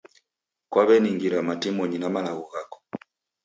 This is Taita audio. Kwaweningira matimonyi na malagho ghako